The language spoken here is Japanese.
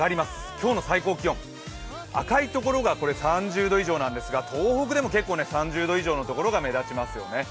今日の最高気温、赤いところが３０度以上なんですが東北でも結構３０度以上のところが目立ちますよね。